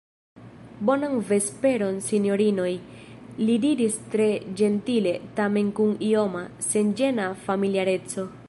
Bonan vesperon, sinjorinoj, li diris tre ĝentile, tamen kun ioma, senĝena familiareco.